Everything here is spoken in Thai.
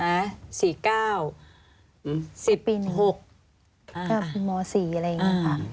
เมื่อ๔อะไรอย่างนี้ค่ะ